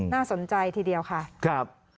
น่าสนใจทีเดียวค่ะ